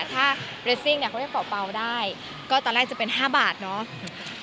ถ้าเรสซิ่งเนี่ยเขาเรียกเป่าได้ก็ตอนแรกจะเป็น๕บาทเนาะ